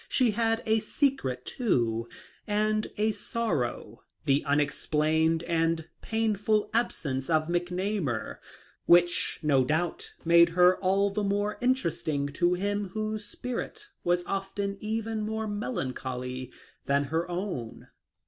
She had a secret, too, and a sorrow, — the unexplained and painful absence of McNamar, — which, no doubt, made her all the more interesting to him whose spirit was often even more melancholy than her own."